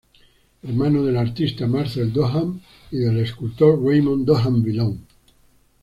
Hermano del artista Marcel Duchamp y del escultor Raymond Duchamp-Villon.